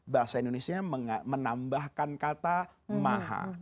bahasa indonesia menambahkan kata maha